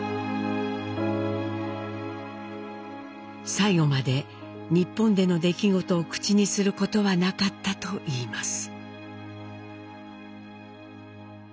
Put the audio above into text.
最期まで日本での出来事を口にすることはなかったといいます。